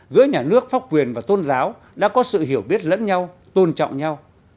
giữa nhà nước pháp quyền và tôn giáo đã có sự hiểu biết lẫn nhau tôn trọng nhau